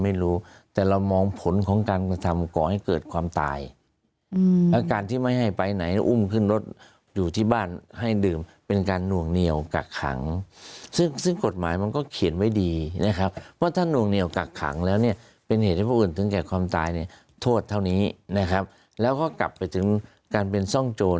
แม่ของคนตายเขาเชื่อว่าน่าจะมีการล่วงละเมิดทางเพศ